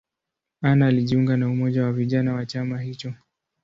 Anna alijiunga na umoja wa vijana wa chama hicho.